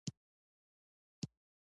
سر را پورته که شهیده، ارمانونه د رږیږی